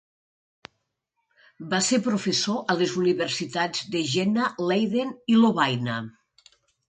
Va ser professor a les universitats de Jena, Leiden i Lovaina.